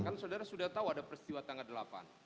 kan saudara sudah tahu ada peristiwa tanggal delapan